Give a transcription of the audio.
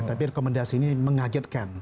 tapi rekomendasi ini mengagetkan